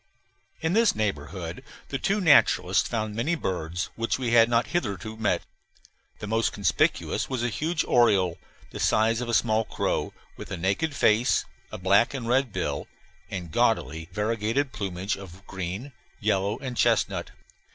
In this neighborhood the two naturalists found many birds which we had not hitherto met. The most conspicuous was a huge oriole, the size of a small crow, with a naked face, a black and red bill, and gaudily variegated plumage of green, yellow, and chestnut.